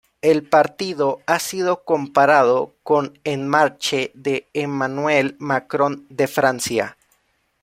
El partido ha sido comparado con "En Marche" de Emmanuel Macron de Francia.